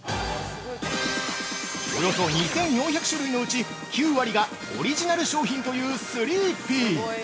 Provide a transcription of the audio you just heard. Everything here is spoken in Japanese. ◆およそ２４００種類のうち、９割がオリジナル商品というスリーピー。